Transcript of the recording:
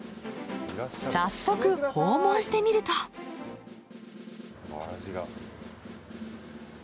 早速訪問してみるとわらじが。